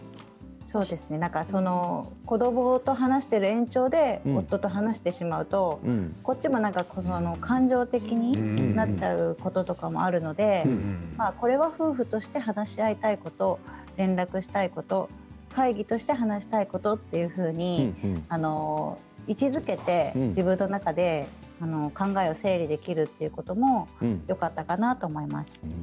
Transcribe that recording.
子どもと話している延長で夫と話してしまうとこっちも感情的になっちゃうこととかもあるのでこれは夫婦として話し合いたいこと連絡したこと会議として話したいことというふうに位置づけて自分の中で考えを整理できるということもよかったかなと思います。